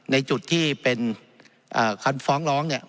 ในจุดที่เป็นคันฟ้องร้องเนี่ย